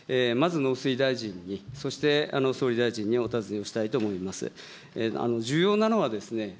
農産物輸出におきましては、まず農水大臣に、そして総理大臣にお尋ねをしたいと思います。